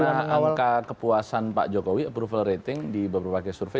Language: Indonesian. karena angka kepuasan pak jokowi approval rating di beberapa survei